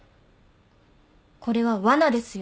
これはわなですよ。